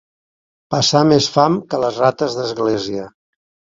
Passar més fam que les rates d'església.